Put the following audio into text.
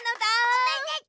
おめでと！